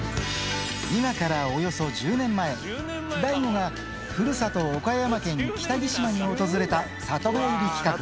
今からおよそ１０年前、大悟がふるさと、岡山県北木島に訪れた、里帰り企画。